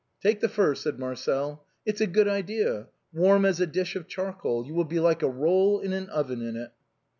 " Take the fur !" said Marcel ;" it's a good idea ; warm as a dish of charcoal; you will be like a roll in an oven in it."